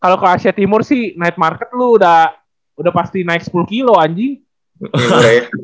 kalo ke asia timur sih naik market lu udah pasti naik sepuluh kilo anjir